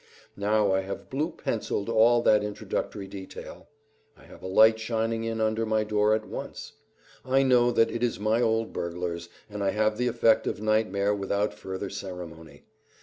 Now I have blue penciled all that introductory detail; I have a light shining in under my door at once; I know that it is my old burglars; and I have the effect of nightmare without further ceremony.